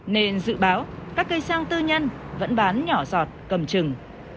nên dự báo các cây xăng tư nhân vẫn bán nhỏ giọt cầm trừng